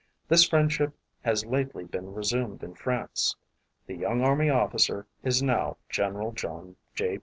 This friend ship has lately been resumed in France. The young army officer is now General John J.